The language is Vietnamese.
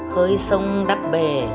khơi sông đắt bề